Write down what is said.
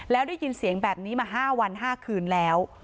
แล้วได้ยินเสียงแบบนี้มา๕วัน๕คืนแล้ว